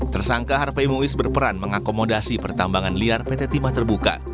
tersangka harpai muiz berperan mengakomodasi pertambangan liar pt timah terbuka